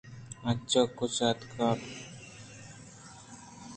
آ چہ کج ءَآتکگ؟